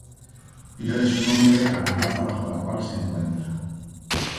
Debe su nombre a la plaza bajo la cual se encuentra.